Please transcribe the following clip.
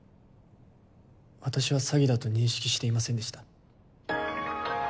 私は詐欺だと認識していませんでした。